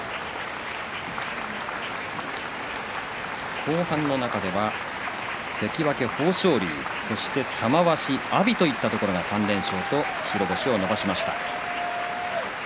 後半の中では関脇豊昇龍、玉鷲阿炎といったところが３連勝となりました。